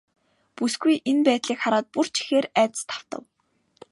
Бүсгүй энэ байдлыг хараад бүр ч ихээр айдаст автав.